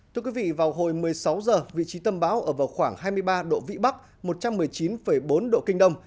thưa quý vị vào hồi một mươi sáu h vị trí tâm bão ở vào khoảng hai mươi ba độ vĩ bắc một trăm một mươi chín bốn độ kinh đông